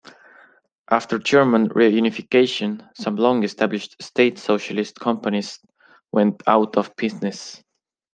After German reunification some long-established state socialist companies went out of business.